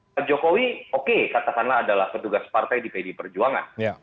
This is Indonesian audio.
pak jokowi oke katakanlah adalah petugas partai di pdi perjuangan